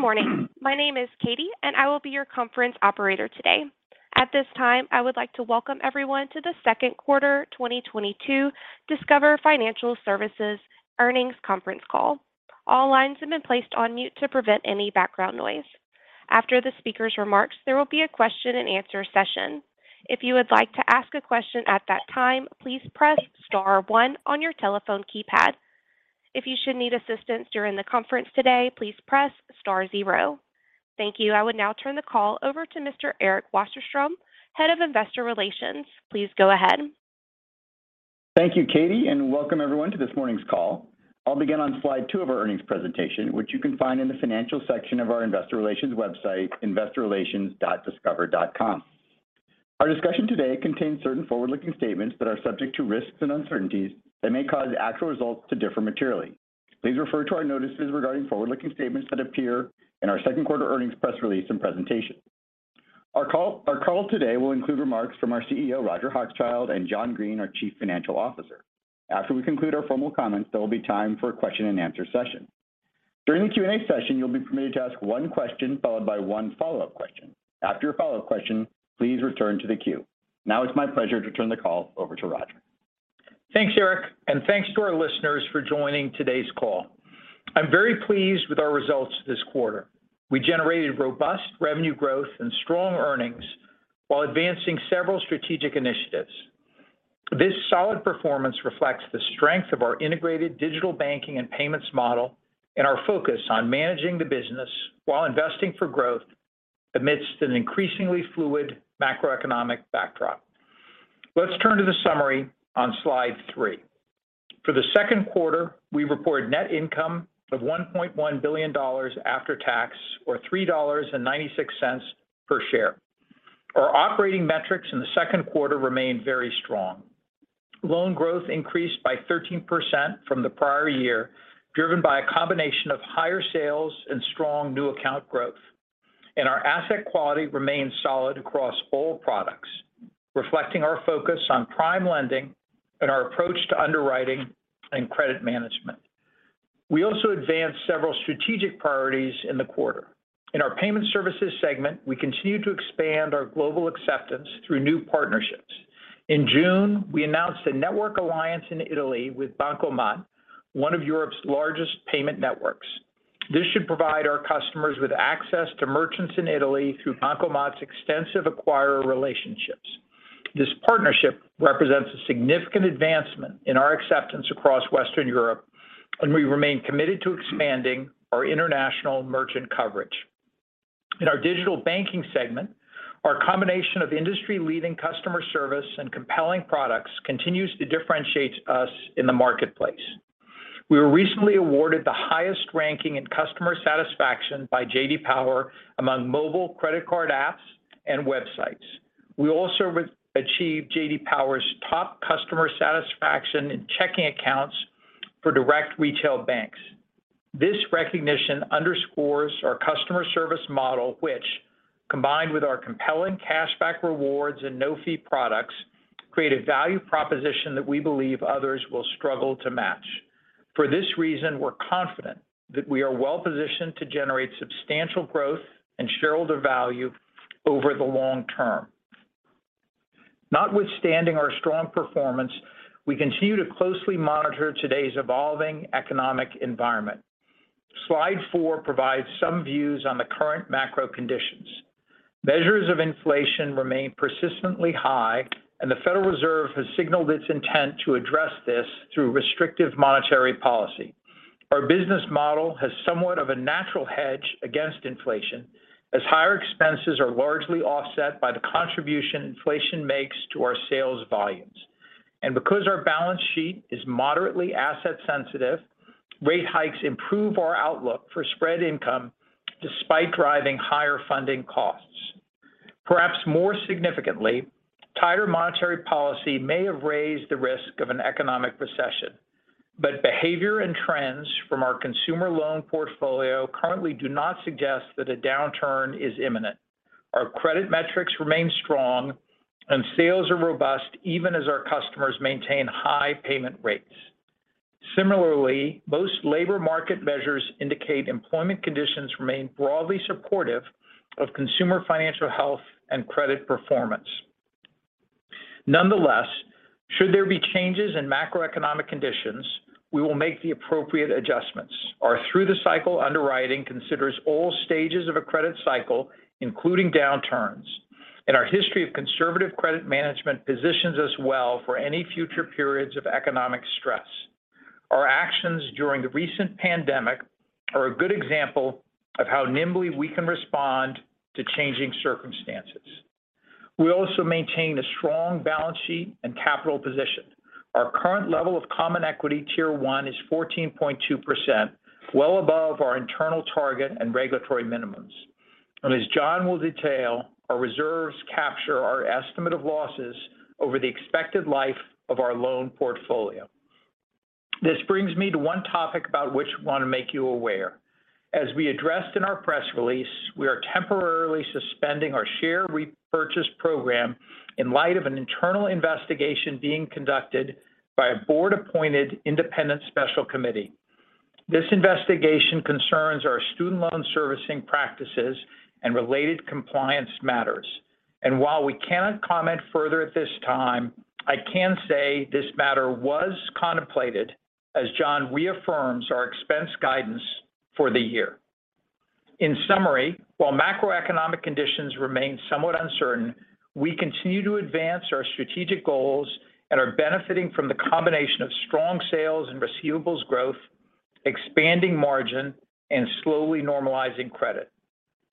Good morning. My name is Katie, and I will be your conference operator today. At this time, I would like to welcome everyone to the Q2 2022 Discover Financial Services earnings conference call. All lines have been placed on mute to prevent any background noise. After the speaker's remarks, there will be a question-and-answer session. If you would like to ask a question at that time, please press star one on your telephone keypad. If you should need assistance during the conference today, please press star zero. Thank you. I would now turn the call over to Mr. Eric Wasserstrom, Head of Investor Relations. Please go ahead. Thank you, Katie, and welcome everyone to this morning's call. I'll begin on slide two of our earnings presentation, which you can find in the financial section of our investor relations website, investorrelations.discover.com. Our discussion today contains certain forward-looking statements that are subject to risks and uncertainties that may cause actual results to differ materially. Please refer to our notices regarding forward-looking statements that appear in our Q2 earnings press release and presentation. Our call today will include remarks from our CEO, Roger Hochschild, and John Greene, our Chief Financial Officer. After we conclude our formal comments, there will be time for a question-and-answer session. During the Q&A session, you'll be permitted to ask one question followed by one follow-up question. After your follow-up question, please return to the queue. Now it's my pleasure to turn the call over to Roger. Thanks, Eric, and thanks to our listeners for joining today's call. I'm very pleased with our results this quarter. We generated robust revenue growth, and strong earnings while advancing several strategic initiatives. This solid performance reflects the strength of our integrated digital banking and payments model and our focus on managing the business while investing for growth amidst an increasingly fluid macroeconomic backdrop. Let's turn to the summary on slide 3. For the Q2, we reported net income of $1.1 billion after tax, or $3.96 per share. Our operating metrics in the Q2 remained very strong. Loan growth increased by 13% from the prior year, driven by a combination of higher sales and strong new account growth. Our asset quality remains solid across all products, reflecting our focus on prime lending, and our approach to underwriting, and credit management. We also advanced several strategic priorities in the quarter. In our payment services segment, we continue to expand our global acceptance through new partnerships. In June, we announced a network alliance in Italy with Bancomat, one of Europe's largest payment networks. This should provide our customers with access to merchants in Italy through Bancomat's extensive acquirer relationships. This partnership represents a significant advancement in our acceptance across Western Europe, and we remain committed to expanding our international merchant coverage. In our digital banking segment, our combination of industry-leading customer service and compelling products continues to differentiate us in the marketplace. We were recently awarded the highest ranking in customer satisfaction by J.D. Power among mobile credit card apps and websites. We also re-achieved J.D. Power's top customer satisfaction in checking accounts for direct retail banks. This recognition underscores our customer service model which, combined with our compelling cashback rewards and no-fee products, create a value proposition that we believe others will struggle to match. For this reason, we're confident that we are well-positioned to generate substantial growth and shareholder value over the long term. Notwithstanding our strong performance, we continue to closely monitor today's evolving economic environment. Slide 4 provides some views on the current macro conditions. Measures of inflation remain persistently high, and the Federal Reserve has signaled its intent to address this through restrictive monetary policy. Our business model has somewhat of a natural hedge against inflation, as higher expenses are largely offset by the contribution inflation makes to our sales volumes. Because our balance sheet is moderately asset sensitive, rate hikes improve our outlook for spread income despite driving higher funding costs. Perhaps more significantly, tighter monetary policy may have raised the risk of an economic recession, but behavior and trends from our consumer loan portfolio currently do not suggest that a downturn is imminent. Our credit metrics remain strong and sales are robust even as our customers maintain high payment rates. Similarly, most labor market measures indicate employment conditions remain broadly supportive of consumer financial health and credit performance. Nonetheless, should there be changes in macroeconomic conditions, we will make the appropriate adjustments. Our through-the-cycle underwriting considers all stages of a credit cycle, including downturns. Our history of conservative credit management positions us well for any future periods of economic stress. Our actions during the recent pandemic are a good example of how nimbly we can respond to changing circumstances. We also maintain a strong balance sheet and capital position. Our current level of Common Equity Tier 1 is 14.2%, well above our internal target and regulatory minimums. As John will detail, our reserves capture our estimate of losses over the expected life of our loan portfolio. This brings me to one topic about which I want to make you aware. As we addressed in our press release, we are temporarily suspending our share repurchase program. In light of an internal investigation being conducted by a board-appointed independent special committee. This investigation concerns our student loan servicing practices, and related compliance matters. While we cannot comment further at this time, I can say this matter was contemplated as John reaffirms our expense guidance for the year. In summary, while macroeconomic conditions remain somewhat uncertain, we continue to advance our strategic goals and are benefiting from the combination of strong sales and receivables growth, expanding margin, and slowly normalizing credit.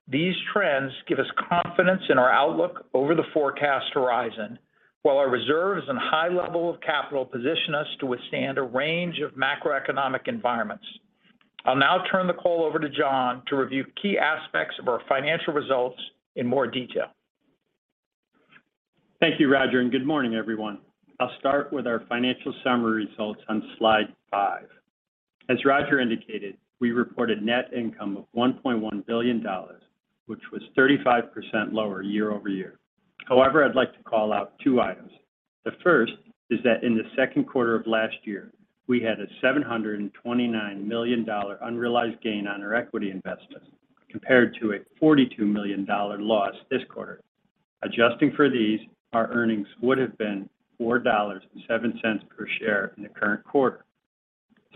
These trends give us confidence in our outlook over the forecast horizon, while our reserves and high level of capital position us to withstand a range of macroeconomic environments. I'll now turn the call over to John to review key aspects of our financial results in more detail. Thank you, Roger, and good morning, everyone. I'll start with our financial summary results on slide five. As Roger indicated, we reported net income of $1.1 billion, which was 35% lower year-over-year. However, I'd like to call out two items. The first is that in the Q2 of last year, we had a $729 million unrealized gain on our equity investments compared to a $42 million loss this quarter. Adjusting for these, our earnings would have been $4.07 per share in the current quarter.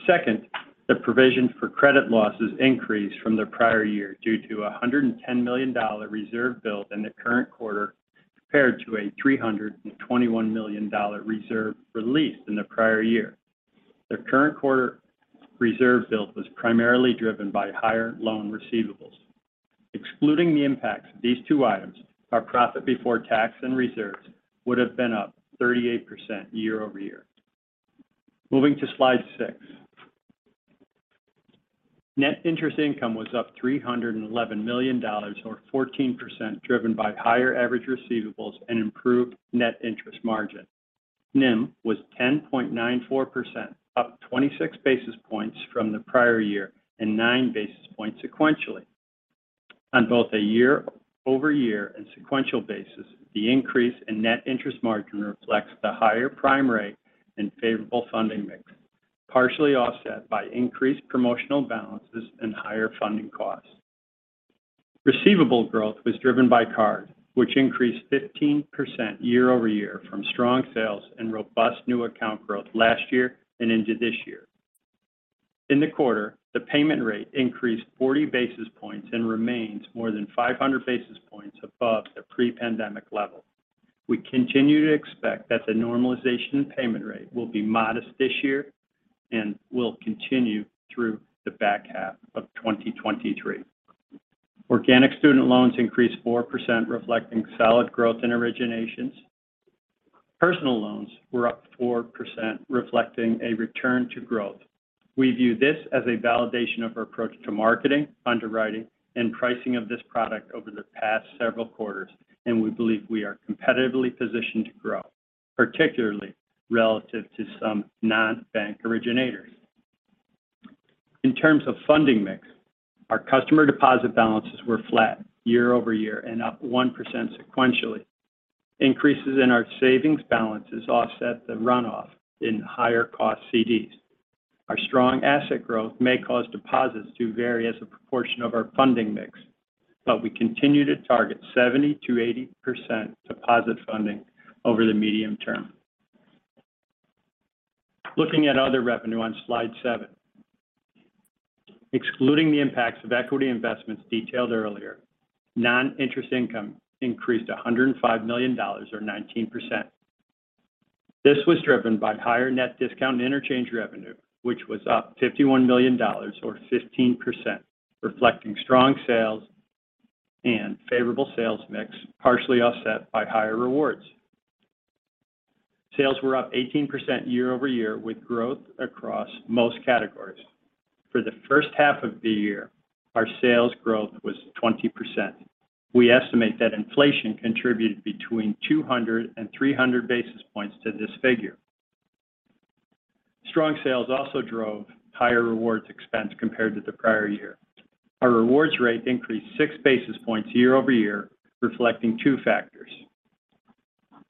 Second, the provision for credit losses increased from the prior year due to a $110 million reserve built in the current quarter compared to a $321 million reserve released in the prior year. The current quarter reserve built was primarily driven by higher loan receivables. Excluding the impacts of these two items, our profit before tax and reserves would have been up 38% year-over-year. Moving to slide 6. Net interest income was up $311 million or 14%, driven by higher average receivables and improved net interest margin. NIM was 10.94%, up 26 basis points from the prior year and 9 basis points sequentially. On both a year-over-year and sequential basis, the increase in net interest margin reflects the higher prime rate and favorable funding mix, partially offset by increased promotional balances and higher funding costs. Receivable growth was driven by card, which increased 15% year-over-year from strong sales and robust new account growth last year and into this year. In the quarter, the payment rate increased 40 basis points and remains more than 500 basis points above the pre-pandemic level. We continue to expect that the normalization in payment rate will be modest this year and will continue through the back half of 2023. Organic student loans increased 4%, reflecting solid growth in originations. Personal loans were up 4%, reflecting a return to growth. We view this as a validation of our approach to marketing, underwriting, and pricing of this product over the past several quarters, and we believe we are competitively positioned to grow, particularly relative to some non-bank originators. In terms of funding mix, our customer deposit balances were flat year-over-year and up 1% sequentially. Increases in our savings balances offset the runoff in higher-cost CDs. Our strong asset growth may cause deposits to vary as a proportion of our funding mix, but we continue to target 70%-80% deposit funding over the medium term. Looking at other revenue on slide 7. Excluding the impacts of equity investments detailed earlier, non-interest income increased $105 million or 19%. This was driven by higher net discount and interchange revenue, which was up $51 million or 15%, reflecting strong sales and favorable sales mix, partially offset by higher rewards. Sales were up 18% year-over-year with growth across most categories. For the H1 of the year, our sales growth was 20%. We estimate that inflation contributed between 200 and 300 basis points to this figure. Strong sales also drove higher rewards expense compared to the prior year. Our rewards rate increased 6 basis points year-over-year, reflecting two factors.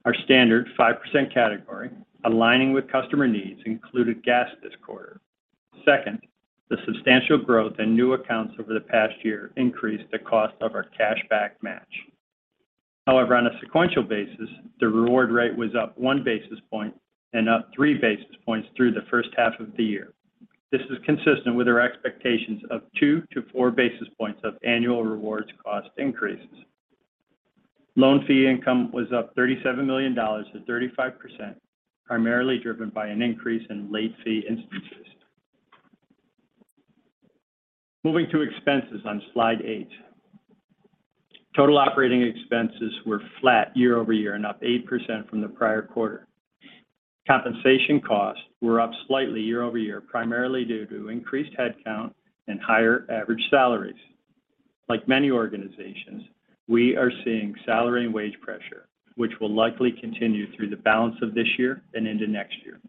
Our standard 5% category, aligning with customer needs, included gas this quarter. Second, the substantial growth in new accounts over the past year increased the cost of our cashback match. However, on a sequential basis, the reward rate was up 1 basis point and up 3 basis points through the H1 of the year. This is consistent with our expectations of 2-4 basis points of annual rewards cost increases. Loan fee income was up $37 million or 35%, primarily driven by an increase in late fee instances. Moving to expenses on slide 8. Total operating expenses were flat year-over-year and up 8% from the prior quarter. Compensation costs were up slightly year-over-year, primarily due to increased head count and higher average salaries. Like many organizations, we are seeing salary and wage pressure, which will likely continue through the balance of this year and into next year.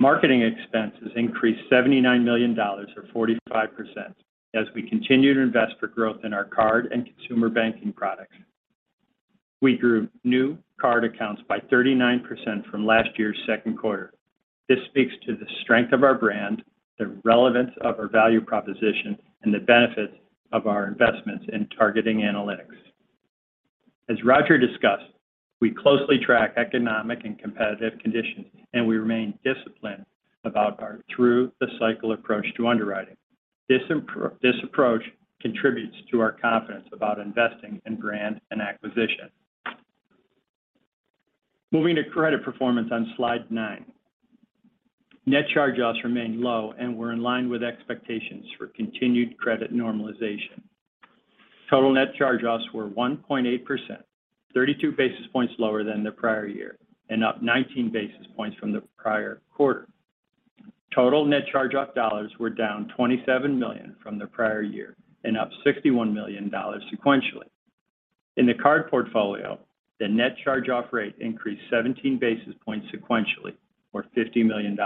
Marketing expenses increased $79 million or 45% as we continue to invest for growth in our card and consumer banking products. We grew new card accounts by 39% from last year's Q2. This speaks to the strength of our brand, the relevance of our value proposition, and the benefits of our investments in targeting analytics. As Roger discussed, we closely track economic and competitive conditions, and we remain disciplined about our through the cycle approach to underwriting. This approach contributes to our confidence about investing in brand and acquisition. Moving to credit performance on slide 9. Net charge-offs remained low and were in line with expectations for continued credit normalization. Total net charge-offs were 1.8%, 32 basis points lower than the prior year and up 19 basis points from the prior quarter. Total net charge-off dollars were down $27 million from the prior year and up $61 million sequentially. In the card portfolio, the net charge-off rate increased 17 basis points sequentially, or $50 million.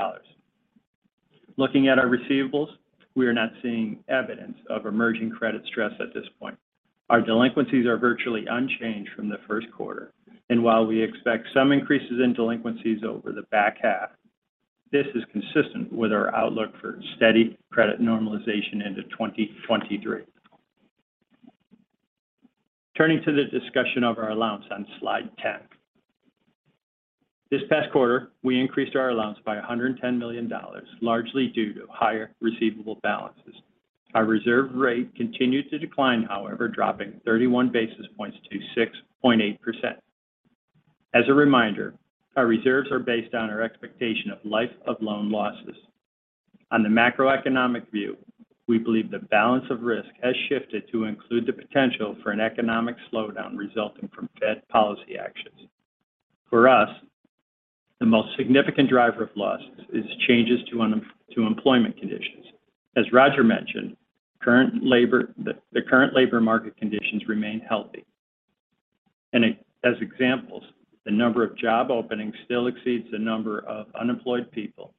Looking at our receivables, we are not seeing evidence of emerging credit stress at this point. Our delinquencies are virtually unchanged from the Q1, and while we expect some increases in delinquencies over the back half, this is consistent with our outlook for steady credit normalization into 2023. Turning to the discussion of our allowance on slide 10. This past quarter, we increased our allowance by $110 million, largely due to higher receivable balances. Our reserve rate continued to decline, however, dropping 31 basis points to 6.8%. As a reminder, our reserves are based on our expectation of life of loan losses. On the macroeconomic view, we believe the balance of risk has shifted to include the potential for an economic slowdown resulting from Fed policy actions. For us, the most significant driver of losses is changes to employment conditions. As Roger mentioned, the current labor market conditions remain healthy. As examples, the number of job openings still exceeds the number of unemployed people,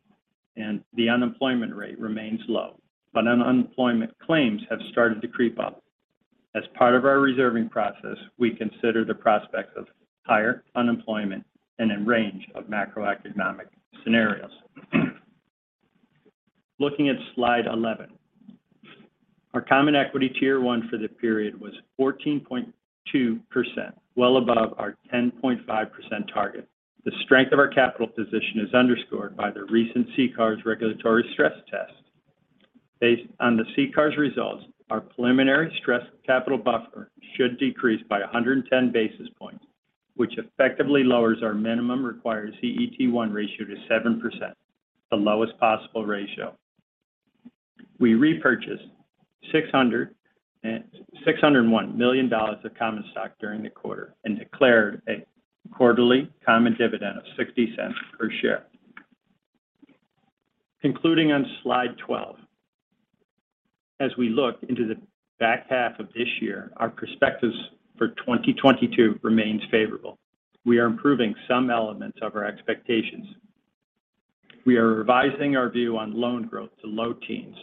and the unemployment rate remains low. Unemployment claims have started to creep up. As part of our reserving process, we consider the prospects of higher unemployment and a range of macroeconomic scenarios. Looking at slide 11. Our Common Equity Tier 1 for the period was 14.2%, well above our 10.5% target. The strength of our capital position is underscored by the recent CCAR's regulatory stress test. Based on the CCAR's results, our preliminary stress capital buffer should decrease by 110 basis points, which effectively lowers our minimum required CET1 ratio to 7%, the lowest possible ratio. We repurchased $601 million of common stock during the quarter, and declared a quarterly common dividend of $0.60 per share. Concluding on slide 12. As we look into the back half of this year, our perspectives for 2022 remains favorable. We are improving some elements of our expectations. We are revising our view on loan growth to low teens%.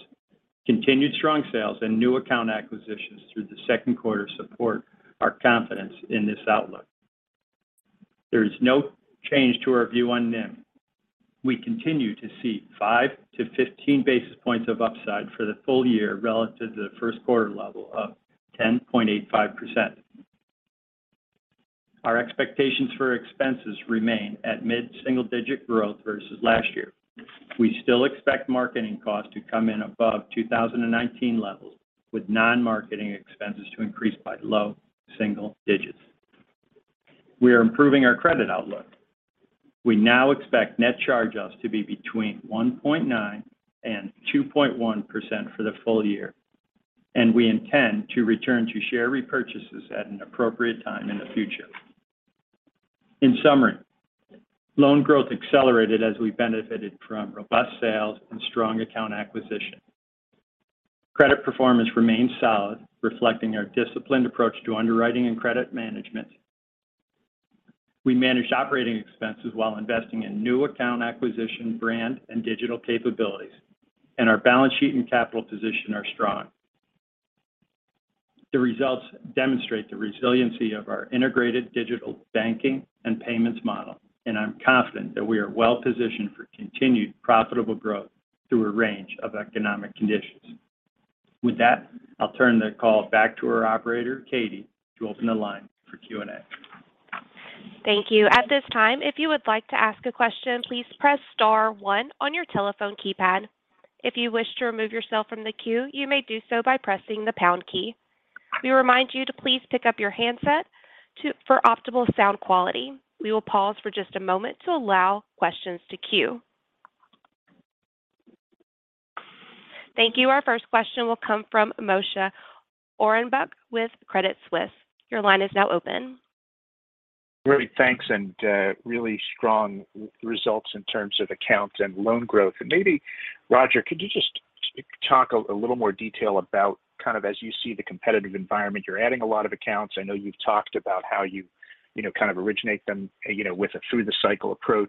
Continued strong sales and new account acquisitions through the Q2 support our confidence in this outlook. There is no change to our view on NIM. We continue to see 5-15 basis points of upside for the full year relative to the first quarter level of 10.85%. Our expectations for expenses remain at mid-single digit growth versus last year. We still expect marketing costs to come in above 2019 levels, with non-marketing expenses to increase by low single digits. We are improving our credit outlook. We now expect net charge-offs to be between 1.9% and 2.1% for the full year, and we intend to return to share repurchases at an appropriate time in the future. In summary, loan growth accelerated as we benefited from robust sales and strong account acquisition. Credit performance remains solid, reflecting our disciplined approach to underwriting and credit management. We managed operating expenses while investing in new account acquisition, brand, and digital capabilities, and our balance sheet and capital position are strong. The results demonstrate the resiliency of our integrated digital banking and payments model, and I'm confident that we are well positioned for continued profitable growth through a range of economic conditions. With that, I'll turn the call back to our operator, Katie, to open the line for Q&A. Thank you. At this time, if you would like to ask a question, please press star one on your telephone keypad. If you wish to remove yourself from the queue, you may do so by pressing the pound key. We remind you to please pick up your handset for optimal sound quality. We will pause for just a moment to allow questions to queue. Thank you. Our first question will come from Moshe Orenbuch with Credit Suisse. Your line is now open. Great. Thanks, really strong results in terms of accounts and loan growth. Maybe, Roger, if you could talk a little more detail about kind of as you see the competitive environment, you're adding a lot of accounts. I know you've talked about how you know, kind of originate them, you know, with a through-the-cycle approach.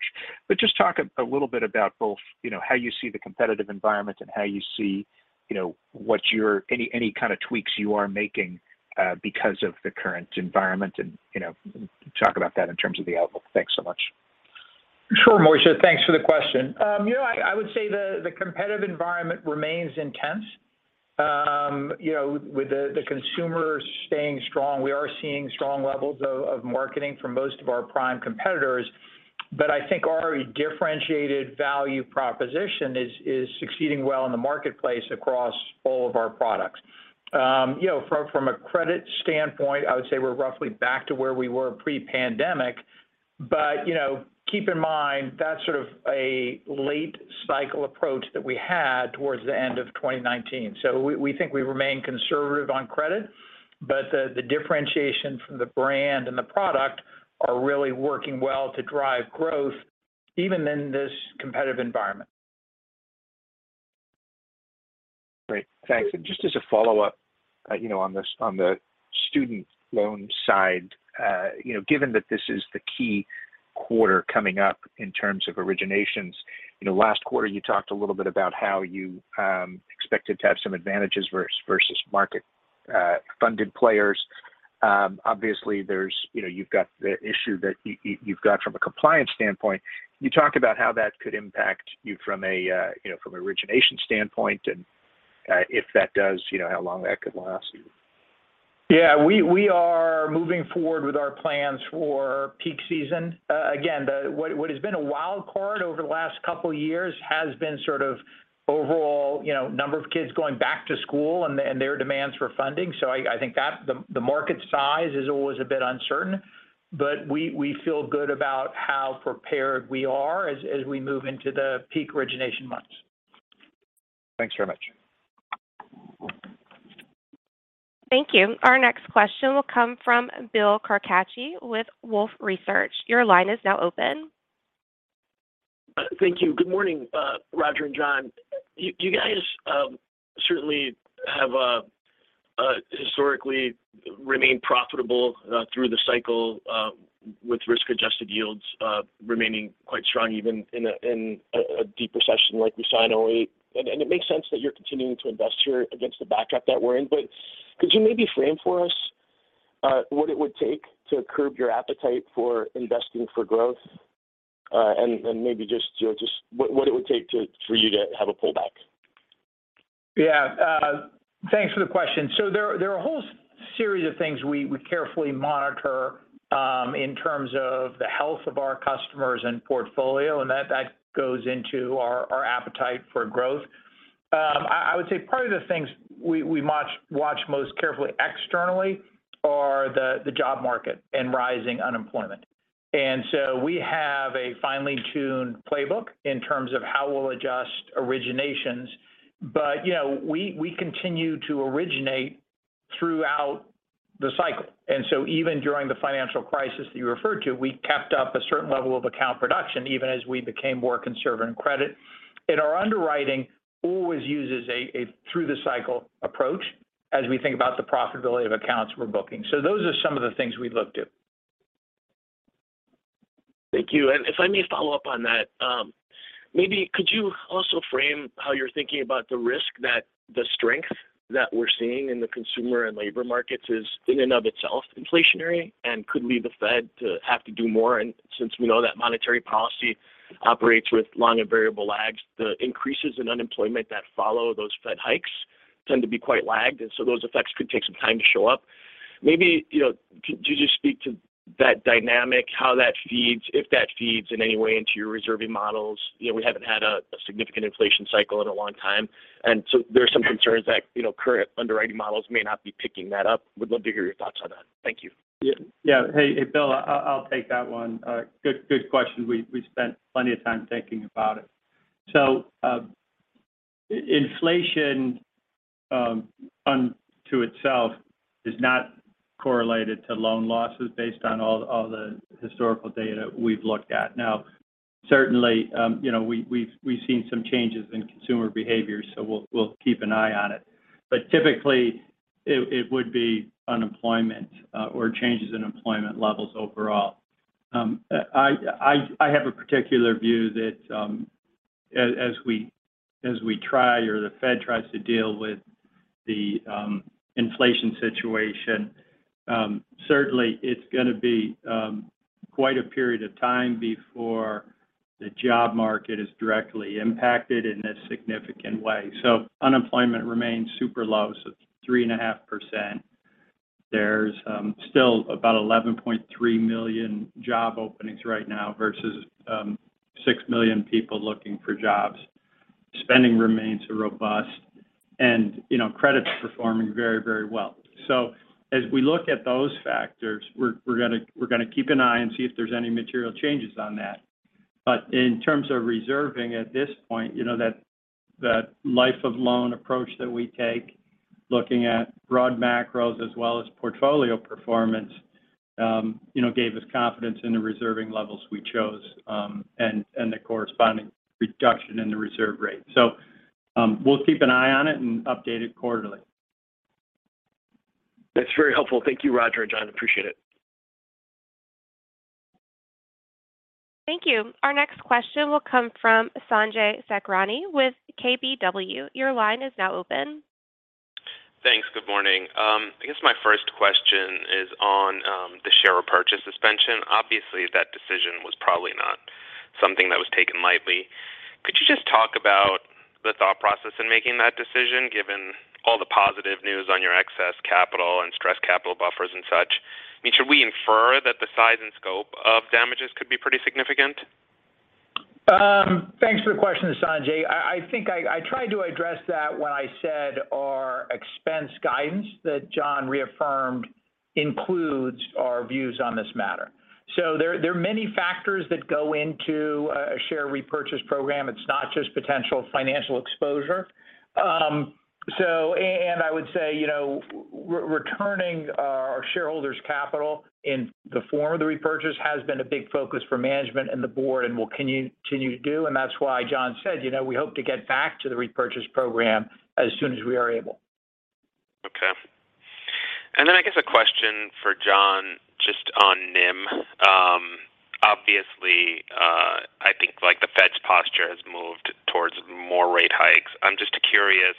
Just talk a little bit about both, you know, how you see the competitive environment and how you see, you know, any kind of tweaks you are making because of the current environment and, you know, talk about that in terms of the outlook. Thanks so much. Sure, Moshe. Thanks for the question. You know, I would say the competitive environment remains intense. You know, with the consumer staying strong, we are seeing strong levels of marketing for most of our prime competitors. I think our differentiated value proposition is succeeding well in the marketplace across all of our products. You know, from a credit standpoint, I would say we're roughly back to where we were pre-pandemic. You know, keep in mind, that's sort of a late cycle approach that we had towards the end of 2019. We think we remain conservative on credit, but the differentiation from the brand and the product are really working well to drive growth even in this competitive environment. Great. Thanks. Just as a follow-up, you know, on the student loan side, you know, given that this is the key quarter coming up in terms of originations. You know, last quarter, you talked a little bit about how you expected to have some advantages versus market funded players. Obviously, there's you know, you've got the issue that you've got from a compliance standpoint. Can you talk about how that could impact you from an origination standpoint, and if that does, you know, how long that could last? Yeah. We are moving forward with our plans for peak season. Again, what has been a wild card over the last couple years has been sort of overall, you know, number of kids going back to school and their demands for funding. I think that the market size is always a bit uncertain. We feel good about how prepared we are as we move into the peak origination months. Thanks very much. Thank you. Our next question will come from Bill Carcache with Wolfe Research. Your line is now open. Thank you. Good morning, Roger and John. You guys certainly have historically remained profitable through the cycle with risk-adjusted yields remaining quite strong even in a deep recession like we saw in 2008. It makes sense that you're continuing to invest here against the backdrop that we're in. Could you maybe frame for us what it would take to curb your appetite for investing for growth? Maybe just, you know, what it would take for you to have a pullback? Yeah. Thanks for the question. There are a whole series of things we carefully monitor in terms of the health of our customers and portfolio, and that goes into our appetite for growth. I would say probably the things we watch most carefully externally are the job market and rising unemployment. We have a finely tuned playbook in terms of how we'll adjust originations. You know, we continue to originate throughout the cycle. Even during the financial crisis that you referred to, we kept up a certain level of account production, even as we became more conservative in credit. Our underwriting always uses a through-the-cycle approach as we think about the profitability of accounts we're booking. Those are some of the things we look to. Thank you. If I may follow up on that, maybe could you also frame how you're thinking about the risk that the strength that we're seeing in the consumer and labor markets is in and of itself inflationary and could lead the Fed to have to do more? Since we know that monetary policy operates with long and variable lags, the increases in unemployment that follow those Fed hikes tend to be quite lagged, and so those effects could take some time to show up. Maybe, you know, could you just speak to that dynamic, how that feeds, if that feeds in any way into your reserving models? You know, we haven't had a significant inflation cycle in a long time, and so there are some concerns that, you know, current underwriting models may not be picking that up. Would love to hear your thoughts on that. Thank you. Yeah. Yeah. Hey, Bill, I'll take that one. Good question. We spent plenty of time thinking about it. Inflation in and of itself is not correlated to loan losses based on all the historical data we've looked at. Now, certainly, you know, we've seen some changes in consumer behavior, so we'll keep an eye on it. Typically, it would be unemployment or changes in employment levels overall. I have a particular view that, as we try or the Fed tries to deal with the inflation situation, certainly it's going to be quite a period of time before the job market is directly impacted in a significant way. Unemployment remains super low, so it's 3.5%. There's still about 11.3 million job openings right now versus 6 million people looking for jobs. Spending remains robust, and credit is performing very, very well. As we look at those factors, we're gonna keep an eye and see if there's any material changes on that. In terms of reserving at this point, that life of loan approach that we take, looking at broad macros as well as portfolio performance. You know, gave us confidence in the reserving levels we chose, and the corresponding reduction in the reserve rate. We'll keep an eye on it and update it quarterly. That's very helpful. Thank you, Roger and John. Appreciate it. Thank you. Our next question will come from Sanjay Sakhrani with KBW. Your line is now open. Thanks. Good morning. I guess my first question is on the share repurchase suspension. Obviously, that decision was probably not something that was taken lightly. Could you just talk about the thought process in making that decision, given all the positive news on your excess capital and stress capital buffers and such? I mean, should we infer that the size and scope of damages could be pretty significant? Thanks for the question, Sanjay. I think I tried to address that when I said our expense guidance that John reaffirmed includes our views on this matter. So there are many factors that go into a share repurchase program. It's not just potential financial exposure. And I would say, you know, returning our shareholders' capital in the form of the repurchase has been a big focus for management and the board, and we'll continue to do. That's why John said, you know, we hope to get back to the repurchase program as soon as we are able. I guess a question for John just on NIM. Obviously, I think like the Fed's posture has moved towards more rate hikes. I'm just curious,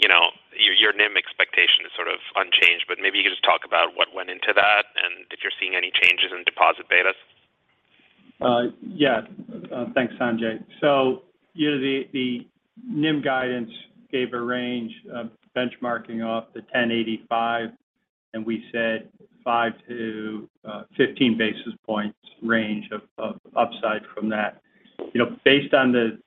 you know, your NIM expectation is sort of unchanged, but maybe you could just talk about what went into that and if you're seeing any changes in deposit betas. Yeah. Thanks, Sanjay. You know, the NIM guidance gave a range of benchmarking off the 10.85, and we said 5-15 basis points range of upside from that. You know, based on the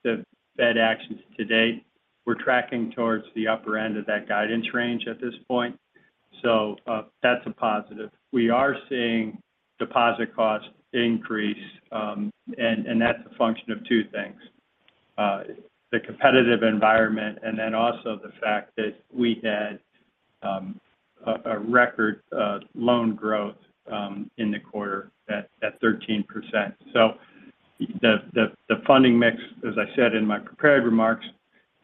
Fed actions to date, we're tracking towards the upper end of that guidance range at this point. That's a positive. We are seeing deposit costs increase, and that's a function of two things. The competitive environment and then also the fact that we had a record loan growth in the quarter at 13%. The funding mix, as I said in my prepared remarks,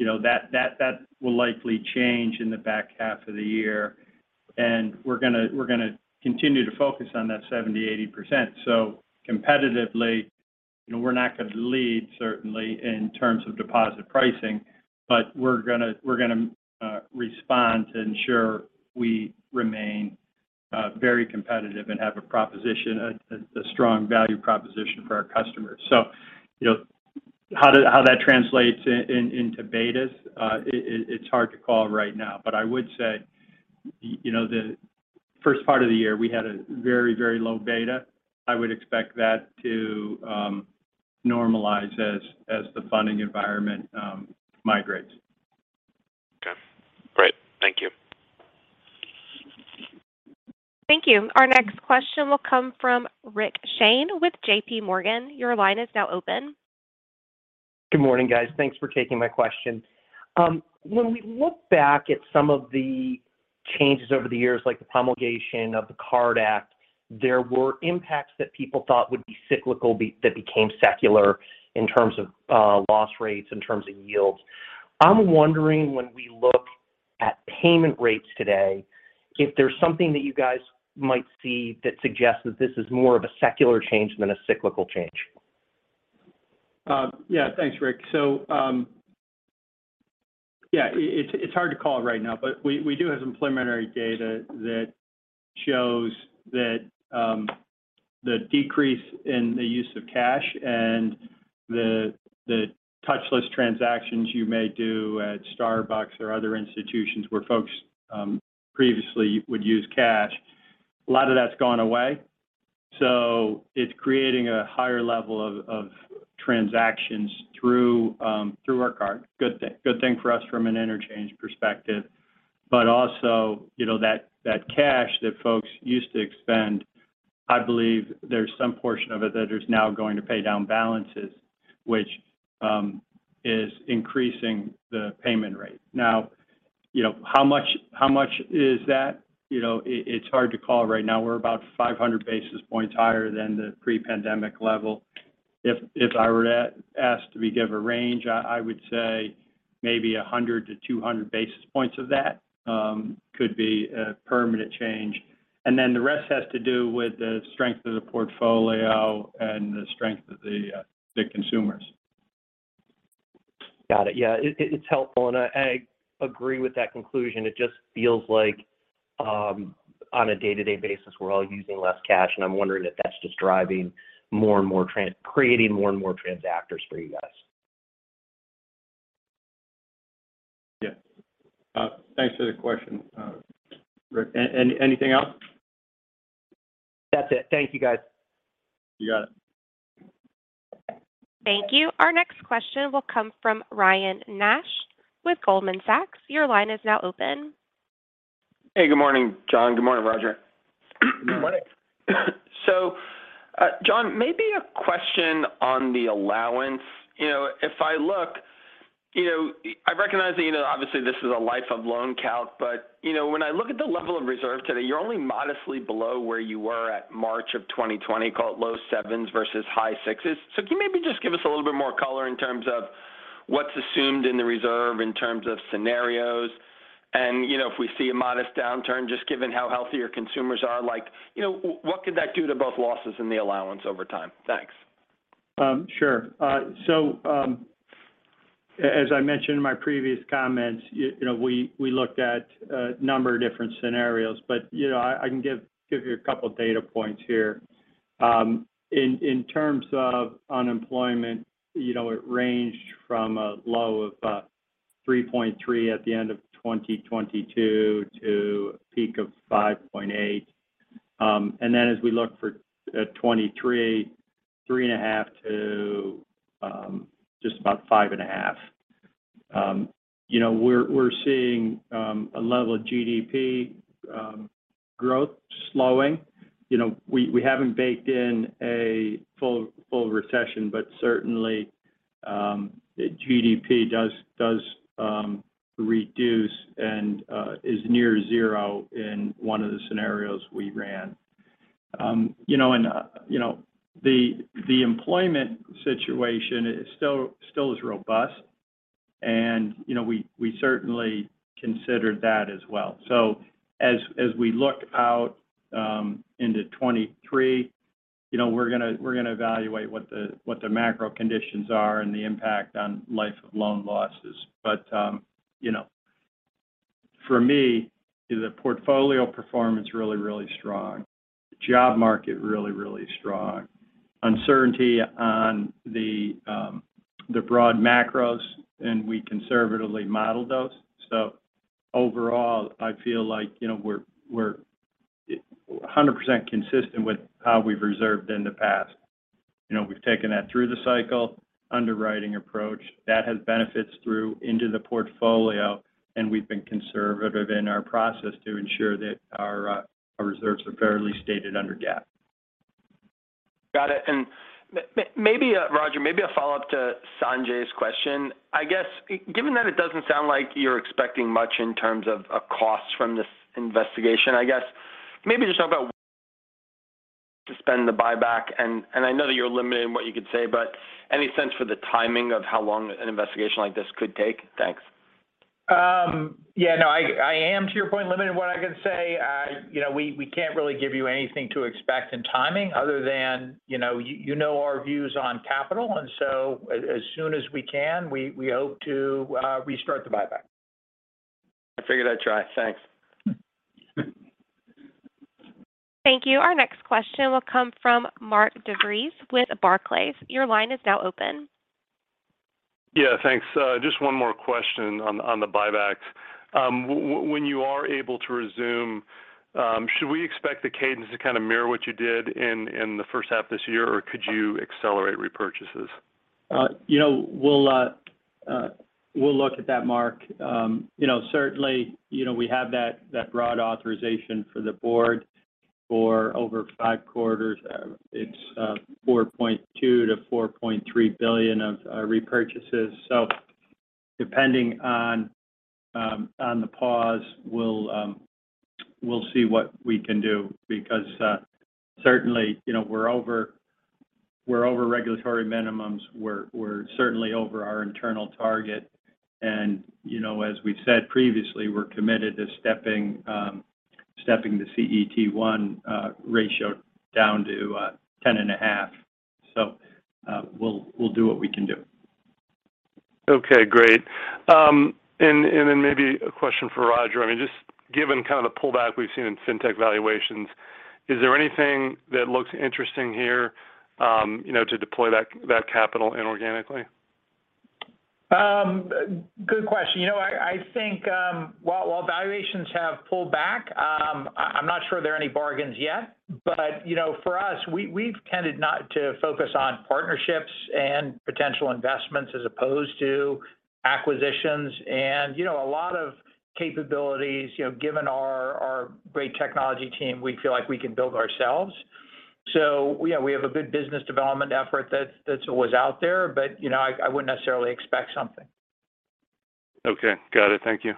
you know, that will likely change in the back half of the year. We're gonna continue to focus on that 70%-80%. Competitively, you know, we're not gonna lead certainly in terms of deposit pricing, but we're gonna respond to ensure we remain very competitive and have a strong value proposition for our customers. You know, how that translates into betas, it's hard to call right now. I would say, you know, the first part of the year we had a very low beta. I would expect that to normalize as the funding environment migrates. Okay. Great. Thank you. Thank you. Our next question will come from Rick Shane with J.P. Morgan. Your line is now open. Good morning, guys. Thanks for taking my question. When we look back at some of the changes over the years, like the promulgation of the CARD Act, there were impacts that people thought would be cyclical that became secular in terms of loss rates, in terms of yields. I'm wondering when we look at payment rates today, if there's something that you guys might see that suggests that this is more of a secular change than a cyclical change. Yeah. Thanks, Rick. Yeah, it's hard to call right now. We do have some preliminary data that shows that the decrease in the use of cash and the touchless transactions you may do at Starbucks or other institutions where folks previously would use cash, a lot of that's gone away. It's creating a higher level of transactions through our card. Good thing for us from an interchange perspective. Also, you know, that cash that folks used to expend, I believe there's some portion of it that is now going to pay down balances, which is increasing the payment rate. You know, how much is that? You know, it's hard to call right now. We're about 500 basis points higher than the pre-pandemic level. If I were to ask to give a range, I would say maybe 100-200 basis points of that could be a permanent change. The rest has to do with the strength of the portfolio and the strength of the consumers. Got it. Yeah. It's helpful, and I agree with that conclusion. It just feels like, on a day-to-day basis, we're all using less cash, and I'm wondering if that's just driving more and more, creating more and more transactors for you guys. Yeah. Thanks for the question, Rick. Anything else? That's it. Thank you, guys. You got it. Thank you. Our next question will come from Ryan Nash with Goldman Sachs. Your line is now open. Hey, good morning, John. Good morning, Roger. Good morning. John, maybe a question on the allowance. You know, if I look, you know, I recognize that, you know, obviously this is a life of loan count, but, you know, when I look at the level of reserve today, you're only modestly below where you were at March of 2020, call it low sevens versus high sixes. So can you maybe just give us a little bit more color in terms of what's assumed in the reserve in terms of scenarios? You know, if we see a modest downturn, just given how healthy your consumers are, like, you know, what could that do to both losses and the allowance over time? Thanks. Sure. As I mentioned in my previous comments, you know, we looked at a number of different scenarios. You know, I can give you a couple data points here. In terms of unemployment, you know, it ranged from a low of about 3.3% at the end of 2022 to a peak of 5.8%. And then as we look at 2023, 3.5% to just about 5.5%. You know, we're seeing a level of GDP growth slowing. You know, we haven't baked in a full recession, but certainly, GDP does reduce and is near zero in one of the scenarios we ran. You know, the employment situation is still robust. You know, we certainly considered that as well. As we look out into 2023, you know, we're gonna evaluate what the macro conditions are, and the impact on life of loan losses. You know, for me, the portfolio performance really strong. The job market really strong. Uncertainty on the broad macros, and we conservatively model those. Overall, I feel like, you know, we're 100% consistent with how we've reserved in the past. You know, we've taken that through the cycle underwriting approach. That has benefits through into the portfolio, and we've been conservative in our process to ensure that our reserves are fairly stated under GAAP. Got it. Maybe, Roger, maybe a follow-up to Sanjay's question. I guess, given that it doesn't sound like you're expecting much in terms of costs from this investigation, I guess maybe just talk about to spend the buyback. I know that you're limited in what you could say, but any sense for the timing of how long an investigation like this could take? Thanks. Yeah, no, I am, to your point, limited in what I can say. You know, we can't really give you anything to expect in timing other than, you know, you know our views on capital. As soon as we can, we hope to restart the buyback. I figured I'd try. Thanks. Thank you. Our next question will come from Mark DeVries with Barclays. Your line is now open. Yeah, thanks. Just one more question on the buybacks. When you are able to resume, should we expect the cadence to kind of mirror what you did in the H1 of this year, or could you accelerate repurchases? You know, we'll look at that, Mark. You know, certainly, you know, we have that broad authorization for the board for over five quarters. It's four point two to four point three billion of repurchases. Depending on the pause, we'll see what we can do because, certainly, you know, we're over regulatory minimums. We're certainly over our internal target. You know, as we've said previously, we're committed to stepping the CET1 ratio down to 10.5. We'll do what we can do. Okay, great. Maybe a question for Roger. I mean, just given kind of the pullback we've seen in fintech valuations, is there anything that looks interesting here, you know, to deploy that capital inorganically? Good question. You know, I think while valuations have pulled back, I'm not sure there are any bargains yet. You know, for us, we've tended not to focus on partnerships and potential investments as opposed to acquisitions. You know, a lot of capabilities, given our great technology team, we feel like we can build ourselves. Yeah, we have a good business development effort that's always out there. You know, I wouldn't necessarily expect something. Okay. Got it. Thank you.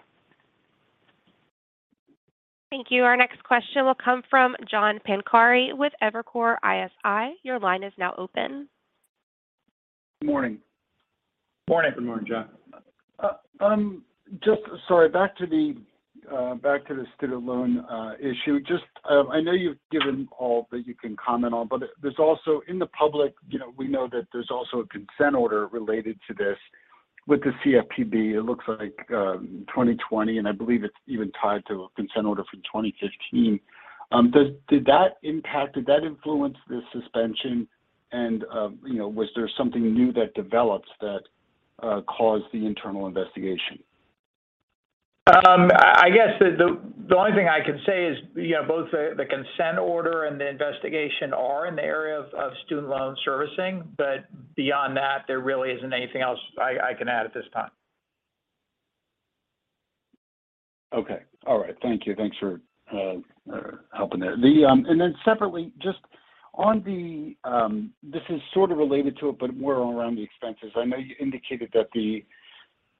Thank you. Our next question will come from John Pancari with Evercore ISI. Your line is now open. Good morning. Morning. Good morning, John. Back to the student loan issue. I know you've given all that you can comment on, but there's also in the public, you know, we know that there's also a consent order related to this with the CFPB. It looks like 2020, and I believe it's even tied to a consent order from 2015. Did that impact, did that influence the suspension? You know, was there something new that developed that caused the internal investigation? I guess the only thing I can say is, yeah, both the consent order and the investigation are in the area of student loan servicing. Beyond that, there really isn't anything else I can add at this time. Okay. All right. Thank you. Thanks for helping there. Separately, just on this is sort of related to it, but more around the expenses. I know you indicated that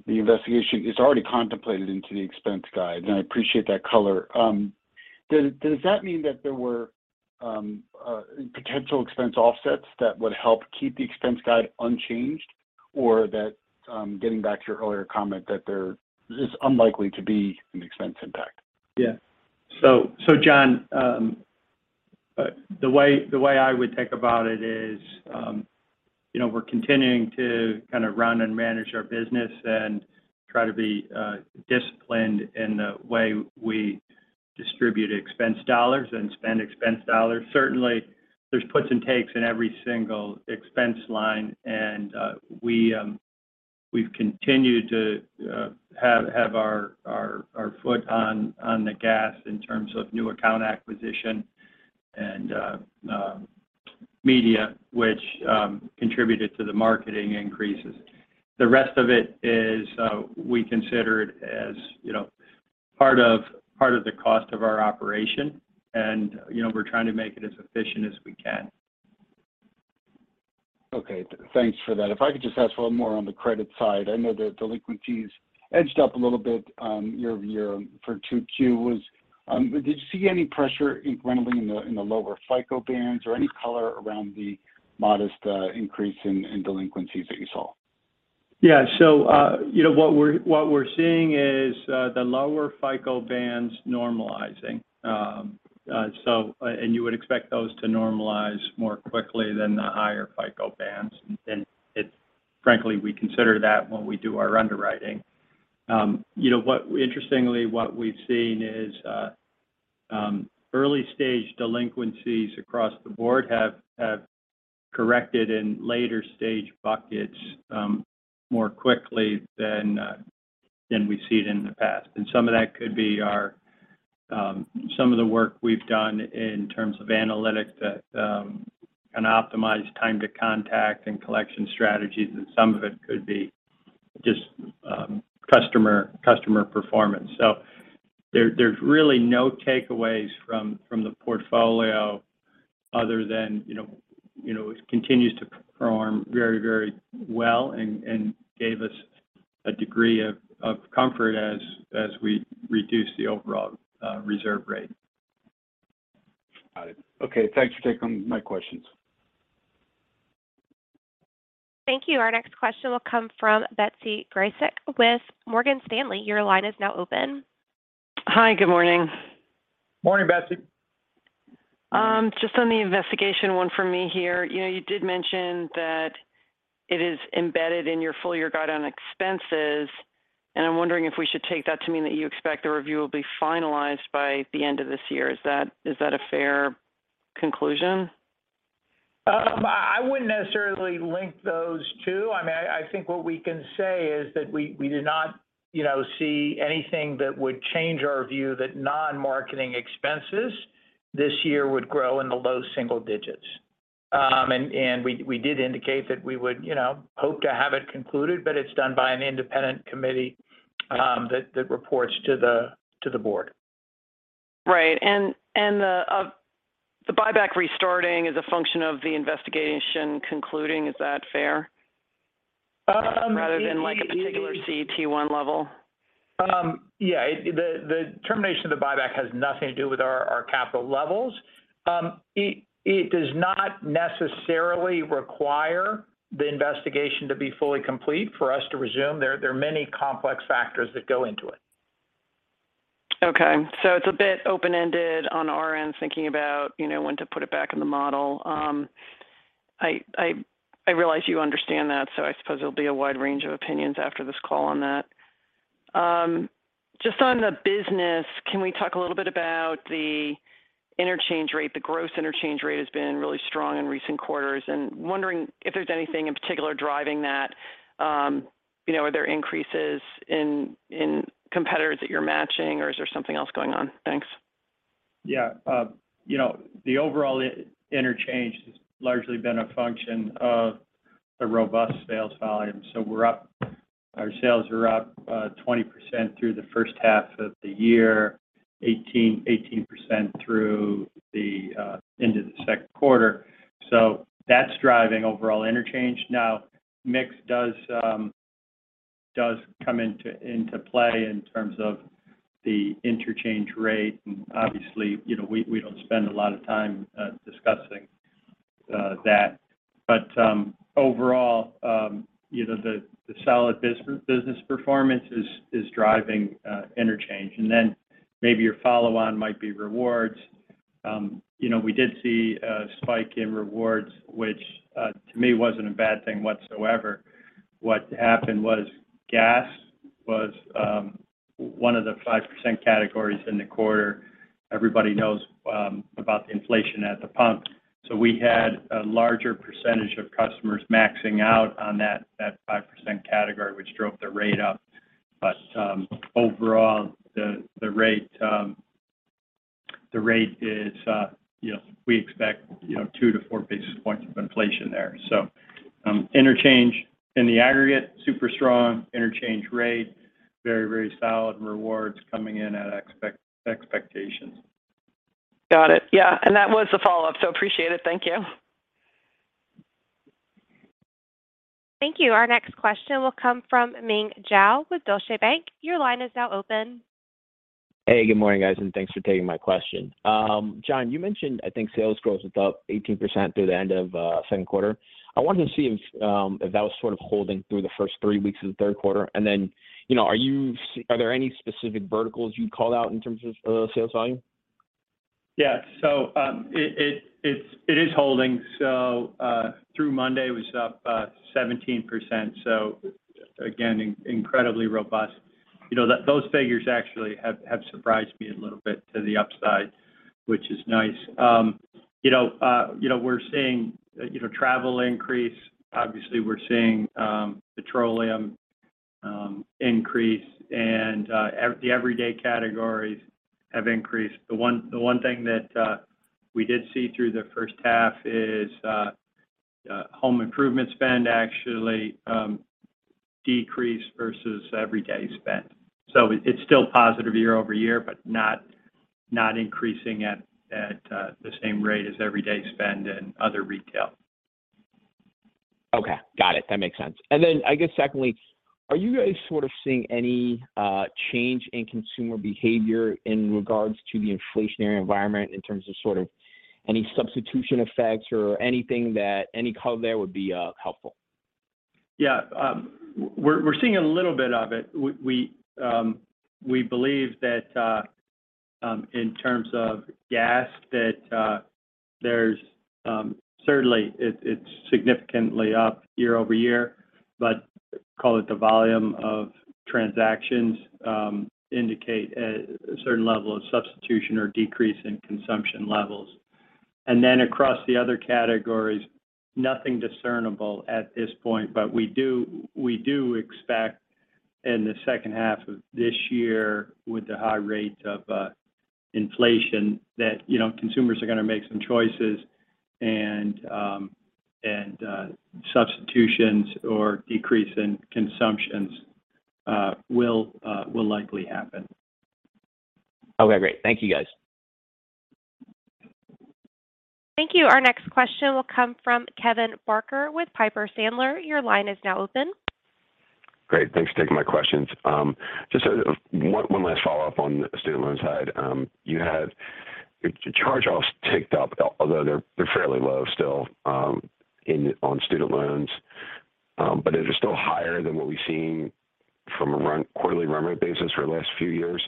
the investigation is already contemplated into the expense guide, and I appreciate that color. Does that mean that there were potential expense offsets that would help keep the expense guide unchanged, or that getting back to your earlier comment that there is unlikely to be an expense impact? Yeah. John, the way I would think about it is, you know, we're continuing to kind of run and manage our business and try to be disciplined in the way we distribute expense dollars, and spend expense dollars. Certainly, there's puts and takes in every single expense line, and we've continued to have our foot on the gas in terms of new account acquisition and media, which contributed to the marketing increases. The rest of it is, we consider it as, you know, part of the cost of our operation. You know, we're trying to make it as efficient as we can. Okay. Thanks for that. If I could just ask a little more on the credit side. I know that delinquencies edged up a little bit year-over-year for 2Q was. Did you see any pressure incrementally in the lower FICO bands or any color around the modest increase in delinquencies that you saw? Yeah. You know, what we're seeing is the lower FICO bands normalizing. You would expect those to normalize more quickly than the higher FICO bands. Frankly, we consider that when we do our underwriting. Interestingly, what we've seen is early-stage delinquencies across the board have corrected in later stage buckets more quickly than we've seen in the past. Some of that could be some of the work we've done in terms of analytics that can optimize time to contact and collection strategies, and some of it could be just customer performance. There's really no takeaways from the portfolio other than, you know, it continues to perform very, very well and gave us a degree of comfort as we reduce the overall reserve rate. Got it. Okay. Thanks for taking my questions. Thank you. Our next question will come from Betsy Graseck with Morgan Stanley. Your line is now open. Hi. Good morning. Morning, Betsy. Just on the investigation one for me here. You know, you did mention that it is embedded in your full year guide on expenses, and I'm wondering if we should take that to mean that you expect the review will be finalized by the end of this year. Is that a fair conclusion? I wouldn't necessarily link those two. I mean, I think what we can say is that we do not, you know, see anything that would change our view that non-marketing expenses this year would grow in the low single digits. We did indicate that we would, you know, hope to have it concluded, but it's done by an independent committee that reports to the board. Right. The buyback restarting is a function of the investigation concluding. Is that fair? Um, it- Rather than like a particular CET1 level. Yeah. The termination of the buyback has nothing to do with our capital levels. It does not necessarily require the investigation to be fully complete for us to resume. There are many complex factors that go into it. Okay. It's a bit open-ended on our end, thinking about, you know, when to put it back in the model. I realize you understand that, so I suppose there'll be a wide range of opinions after this call on that. Just on the business, can we talk a little bit about the interchange rate? The gross interchange rate has been really strong in recent quarters, and wondering if there's anything in particular driving that. You know, are there increases in competitors that you're matching, or is there something else going on? Thanks. You know, the overall interchange has largely been a function of the robust sales volume. Our sales are up 20% through the H1 of the year, 18% into the Q2. That's driving overall interchange. Mix does come into play in terms of the interchange rate. Obviously, you know, we don't spend a lot of time discussing that. Overall, you know, the solid business performance is driving interchange. Then maybe your follow-on might be rewards. You know, we did see a spike in rewards, which to me wasn't a bad thing whatsoever. What happened was gas was one of the 5% categories in the quarter. Everybody knows about the inflation at the pump. We had a larger percentage of customers maxing out on that 5% category, which drove the rate up. Overall, the rate is, you know, we expect, you know, 2-4 basis points of inflation there. Interchange in the aggregate, super strong. Interchange rate very, very solid, and rewards coming in at expectations. Got it. Yeah. That was the follow-up, so appreciate it. Thank you. Thank you. Our next question will come from Meng Jiao with Deutsche Bank. Your line is now open. Hey, good morning, guys, and thanks for taking my question. John, you mentioned, I think sales growth was up 18% through the end of Q2. I wanted to see if that was sort of holding through the first three weeks of the Q3. Then, you know, are there any specific verticals you'd call out in terms of sales volume? Yeah. It is holding. Through Monday, it was up 17%. Again, incredibly robust. You know, those figures actually have surprised me a little bit to the upside, which is nice. You know, we're seeing, you know, travel increase. Obviously, we're seeing petroleum increase and the everyday categories have increased. The one thing that we did see through the H1 is home improvement spend actually decreased versus everyday spend. It's still positive year-over-year, but not increasing at the same rate as everyday spend and other retail. Okay. Got it. That makes sense. I guess secondly, are you guys sort of seeing any change in consumer behavior in regards to the inflationary environment in terms of sort of any substitution effects or anything. Any color there would be helpful. Yeah. We're seeing a little bit of it. We believe that in terms of gas, that there's certainly it's significantly up year over year, but call it the volume of transactions indicate a certain level of substitution or decrease in consumption levels. Across the other categories, nothing discernible at this point. We expect in the H2of this year, with the high rates of inflation, that you know, consumers are gonna make some choices and substitutions or decrease in consumptions will likely happen. Okay, great. Thank you, guys. Thank you. Our next question will come from Kevin Barker with Piper Sandler. Your line is now open. Great. Thanks for taking my questions. Just one last follow-up on the student loans side. You had your charge-offs ticked up, although they're fairly low still on student loans. It is still higher than what we've seen from a quarterly run rate basis for the last few years.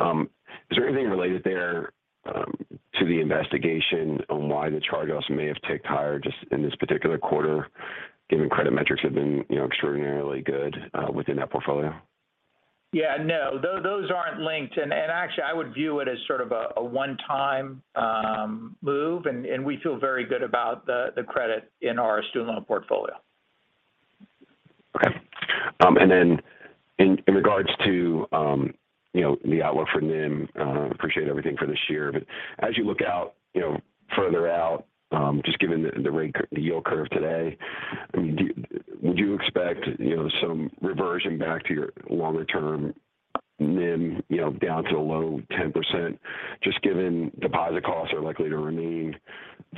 Is there anything related there to the investigation on why the charge-offs may have ticked higher just in this particular quarter, given credit metrics have been, you know, extraordinarily good within that portfolio? Yeah. No, those aren't linked. Actually, I would view it as sort of a one-time move, and we feel very good about the credit in our student loan portfolio. Okay. In regards to, you know, the outlook for NIM, appreciate everything for this year. As you look out, you know, further out, just given the yield curve today, I mean, would you expect, you know, some reversion back to your longer term NIM, you know, down to the low 10%, just given deposit costs are likely to remain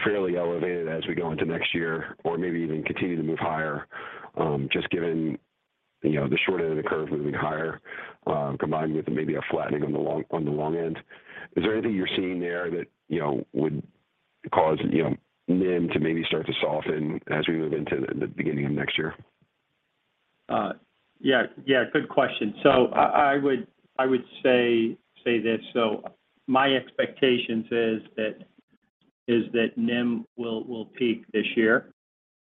fairly elevated as we go into next year or maybe even continue to move higher? Just given, you know, the short end of the curve moving higher, combined with maybe a flattening on the long end. Is there anything you're seeing there that, you know, would cause, you know, NIM to maybe start to soften as we move into the beginning of next year? Yeah. Yeah, good question. I would say this. My expectation is that NIM will peak this year.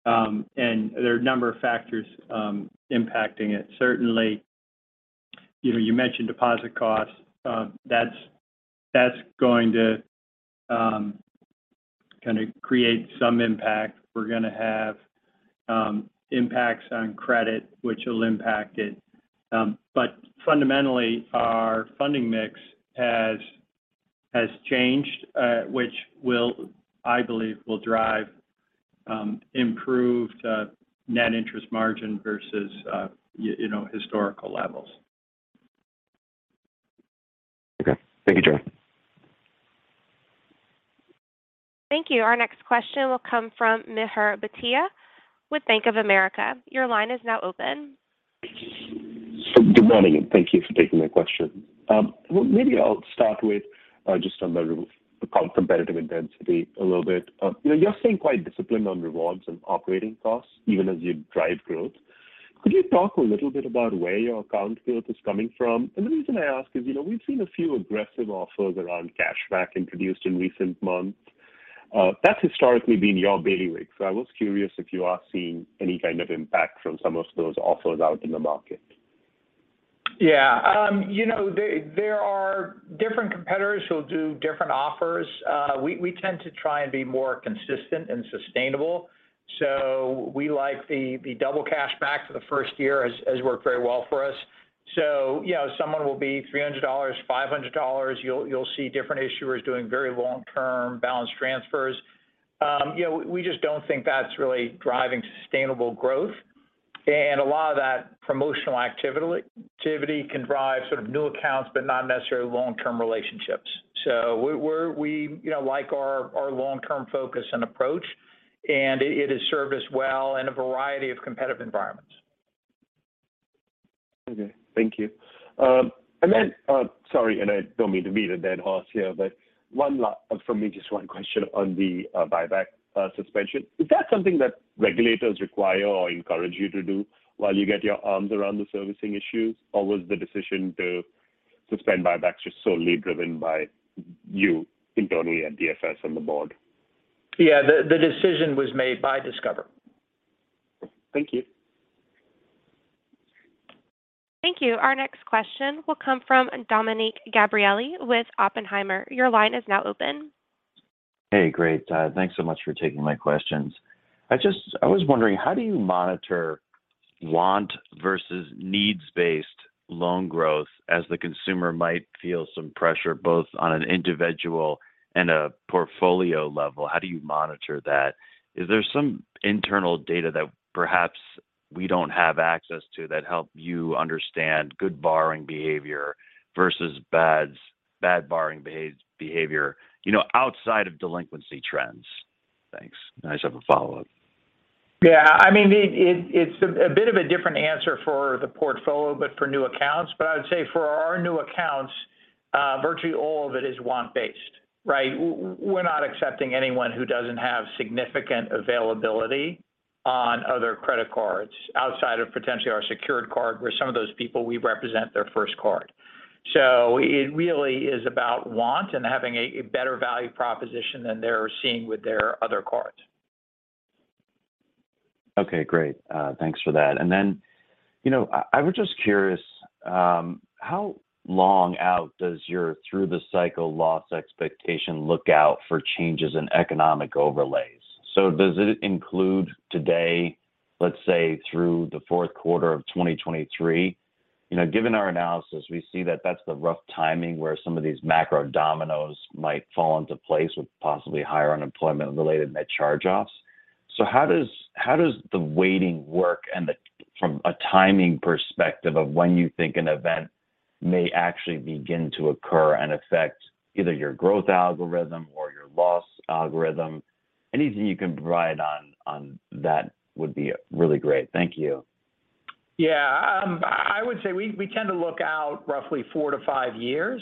There are a number of factors impacting it. Certainly, you know, you mentioned deposit costs. That's going to kind of create some impact. We're gonna have impacts on credit, which will impact it. Fundamentally, our funding mix has changed, which I believe will drive improved net interest margin versus you know, historical levels. Okay. Thank you, John. Thank you. Our next question will come from Mihir Bhatia with Bank of America. Your line is now open. Good morning, and thank you for taking my question. Well, maybe I'll start with just on the account competitive intensity a little bit. You know, you're staying quite disciplined on rewards and operating costs even as you drive growth. Could you talk a little bit about where your account growth is coming from? And the reason I ask is, you know, we've seen a few aggressive offers around cashback introduced in recent months. That's historically been your bailiwick. I was curious if you are seeing any kind of impact from some of those offers out in the market. Yeah. You know, there are different competitors who'll do different offers. We tend to try and be more consistent and sustainable. We like the double cashback for the first year has worked very well for us. You know, someone will be $300, $500. You'll see different issuers doing very long-term balance transfers. You know, we just don't think that's really driving sustainable growth. A lot of that promotional activity can drive sort of new accounts, but not necessarily long-term relationships. We're, you know, like our long-term focus and approach, and it has served us well in a variety of competitive environments. Okay. Thank you. Then, sorry, and I don't mean to beat a dead horse here, but one last for me, just one question on the buyback suspension. Is that something that regulators require or encourage you to do while you get your arms around the servicing issues? Was the decision to suspend buybacks just solely driven by you internally at DFS on the board? Yeah. The decision was made by Discover. Thank you. Thank you. Our next question will come from Dominick Gabriele with Oppenheimer. Your line is now open. Hey, great. Thanks so much for taking my questions. I was wondering, how do you monitor want versus needs-based loan growth as the consumer might feel some pressure both on an individual and a portfolio level? How do you monitor that? Is there some internal data that perhaps we don't have access to that help you understand good borrowing behavior versus bad borrowing behavior, you know, outside of delinquency trends? Thanks. I just have a follow-up. Yeah. I mean, it's a bit of a different answer for the portfolio, but for new accounts. I would say for our new accounts, virtually all of it is want-based, right? We're not accepting anyone who doesn't have significant availability on other credit cards outside of potentially our secured card, where some of those people, we represent their first card. It really is about want and having a better value proposition than they're seeing with their other cards. Okay. Great. Thanks for that. You know, I was just curious how long out does your through the cycle loss expectation look out for changes in economic overlays? Does it include today, let's say, through the fourth quarter of 2023? You know, given our analysis, we see that that's the rough timing where some of these macro dominoes might fall into place with possibly higher unemployment-related net charge-offs. How does the weighting work and from a timing perspective of when you think an event may actually begin to occur and affect either your growth algorithm or your loss algorithm? Anything you can provide on that would be really great. Thank you. Yeah. I would say we tend to look out roughly four to five years.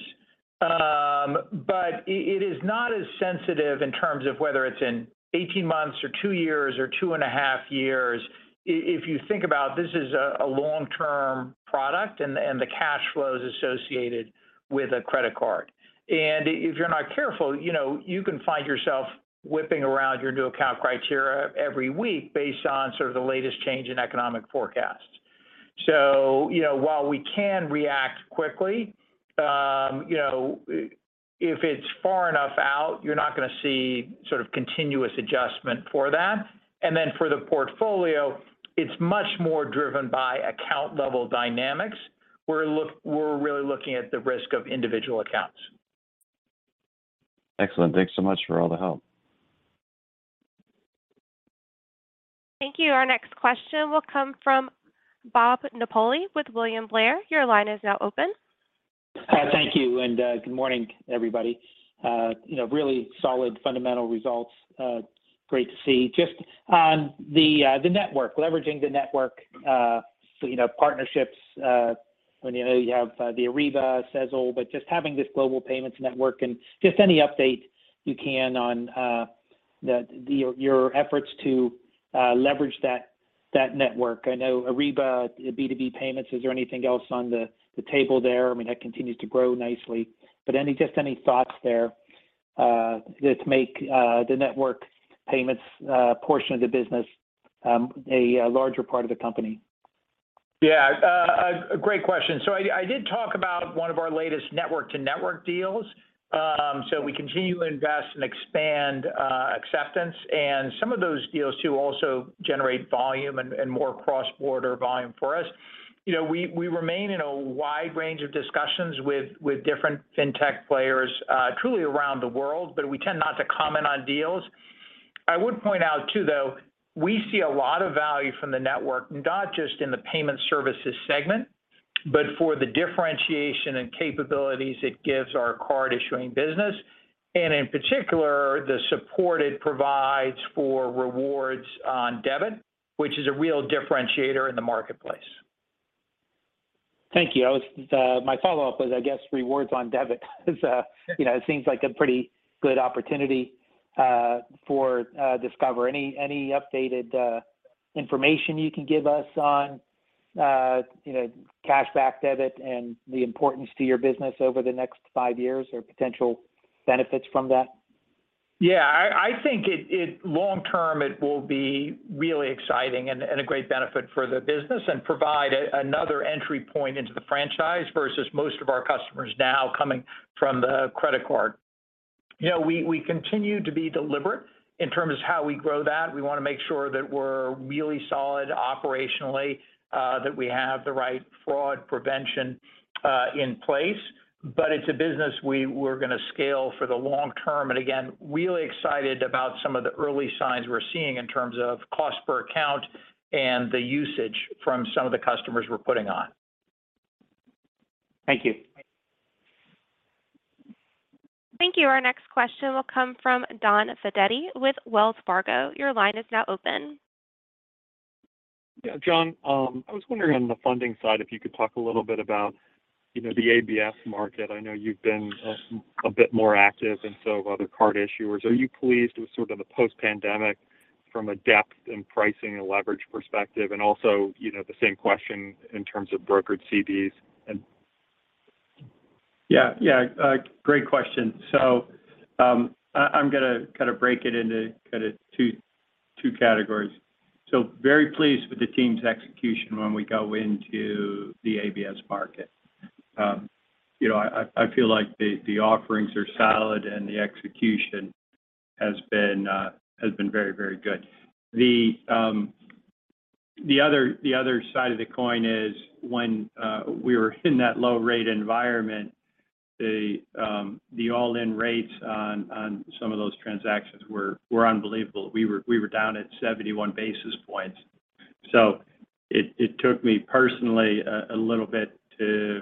It is not as sensitive in terms of whether it's in 18 months or 2 years or 2.5 years. If you think about this is a long-term product and the cash flows associated with a credit card. If you're not careful, you know, you can find yourself whipping around your new account criteria every week based on sort of the latest change in economic forecasts. You know, while we can react quickly, you know, if it's far enough out, you're not going to see sort of continuous adjustment for that. Then for the portfolio, it's much more driven by account level dynamics. We're really looking at the risk of individual accounts. Excellent. Thanks so much for all the help. Thank you. Our next question will come from Bob Napoli with William Blair. Your line is now open. Thank you, and good morning, everybody. You know, really solid fundamental results. Great to see. Just on the network, leveraging the network, so you know, partnerships, when you know you have the Ariba, Sezzle, but just having this global payments network and just any update you can on your efforts to leverage that network. I know Ariba B2B payments. Is there anything else on the table there? I mean, that continues to grow nicely, but any, just any thoughts there that make the network payments portion of the business a larger part of the company? Yeah. A great question. I did talk about one of our latest network-to-network deals. We continue to invest, and expand acceptance and some of those deals to also generate volume and more cross-border volume for us. You know, we remain in a wide range of discussions with different fintech players truly around the world, but we tend not to comment on deals. I would point out, too, though, we see a lot of value from the network, not just in the payment services segment, but for the differentiation and capabilities it gives our card issuing business, and in particular, the support it provides for rewards on debit, which is a real differentiator in the marketplace. Thank you. My follow-up was, I guess, rewards on debit because, you know, it seems like a pretty good opportunity for Discover. Any updated information you can give us on, you know, cashback debit and the importance to your business over the next five years or potential benefits from that? Yeah. I think long term, it will be really exciting and a great benefit for the business and provide another entry point into the franchise versus most of our customers now coming from the credit card. You know, we continue to be deliberate in terms of how we grow that. We want to make sure that we're really solid operationally, that we have the right fraud prevention in place. It's a business we're going to scale for the long term. Again, really excited about some of the early signs we're seeing in terms of cost per account and the usage from some of the customers we're putting on. Thank you. Thank you. Our next question will come from Donald Fandetti with Wells Fargo. Your line is now open. Yeah, John, I was wondering on the funding side if you could talk a little bit about, you know, the ABS market. I know you've been a bit more active than some other card issuers. Are you pleased with sort of the post-pandemic from a depth and pricing and leverage perspective? Also, you know, the same question in terms of brokered CDs and Yeah. Yeah, a great question. I'm gonna kind of break it into kind of two categories. Very pleased with the team's execution when we go into the ABS market. You know, I feel like the offerings are solid, and the execution has been very good. The other side of the coin is when we were in that low rate environment, the all-in rates on some of those transactions were unbelievable. We were down at 71 basis points. It took me personally a little bit to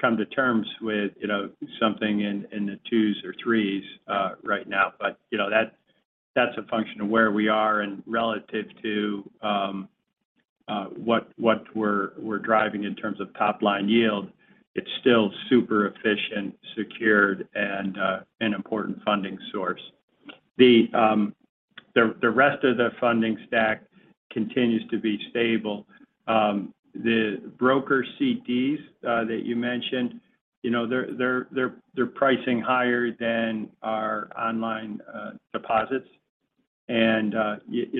come to terms with, you know, something in the 2s or 3s right now. You know, that's a function of where we are and relative to what we're driving in terms of top-line yield. It's still super efficient, secured, and an important funding source. The rest of the funding stack continues to be stable. The broker CDs that you mentioned, you know, they're pricing higher than our online deposits. You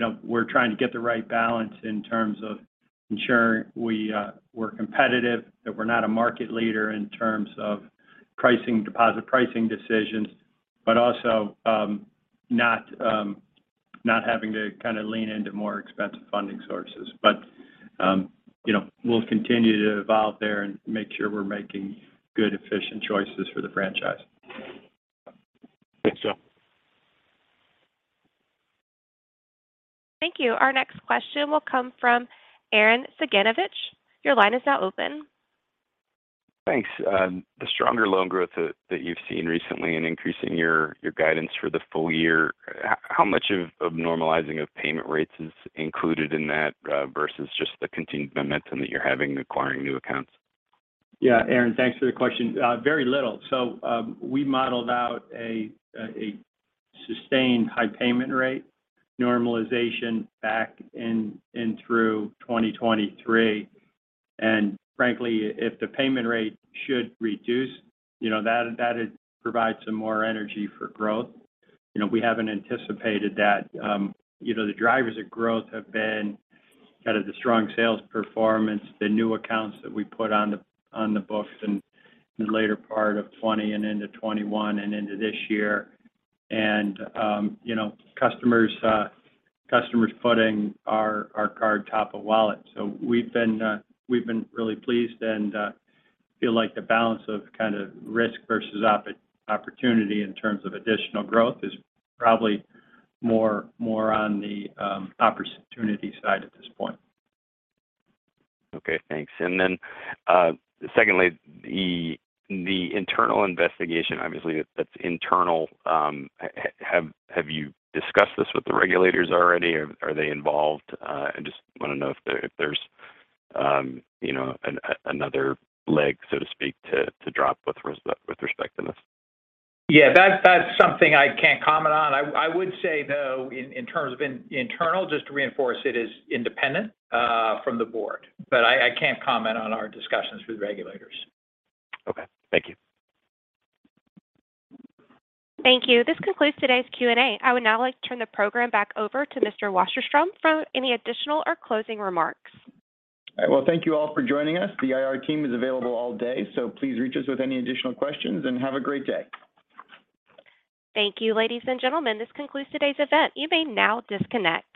know, we're trying to get the right balance in terms of ensuring we're competitive, that we're not a market leader in terms of pricing, deposit pricing decisions, but also not having to kind of lean into more expensive funding sources. You know, we'll continue to evolve there and make sure we're making good, efficient choices for the franchise. Thanks, John. Thank you. Our next question will come from Arren Cygonovich. Your line is now open. Thanks. The stronger loan growth that you've seen recently, and increasing your guidance for the full year, how much of normalizing of payment rates is included in that versus just the continued momentum that you're having acquiring new accounts? Yeah. Aaren, thanks for the question. Very little. We modeled out a sustained high payment rate normalization back in through 2023. Frankly, if the payment rate should reduce, that would provide some more energy for growth. We haven't anticipated that. The drivers of growth have been kind of the strong sales performance, the new accounts that we put on the books in the later part of 2020 and into 2021 and into this year. Customers putting our card top of wallet. We've been really pleased and feel like the balance of kind of risk versus opportunity in terms of additional growth is probably more on the opportunity side at this point. Okay, thanks. Secondly, the internal investigation, obviously that's internal. Have you discussed this with the regulators already? Are they involved? I just want to know if there's, you know, another leg, so to speak, to drop with respect to this. Yeah. That's something I can't comment on. I would say, though, in terms of internal, just to reinforce it is independent from the board. But I can't comment on our discussions with regulators. Okay. Thank you. Thank you. This concludes today's Q&A. I would now like to turn the program back over to Mr. Wasserstrom for any additional or closing remarks. All right. Well, thank you all for joining us. The IR team is available all day, so please reach us with any additional questions, and have a great day. Thank you, ladies and gentlemen. This concludes today's event. You may now disconnect.